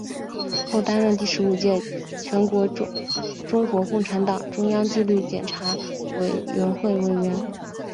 后担任第十五届全国中国共产党中央纪律检查委员会委员。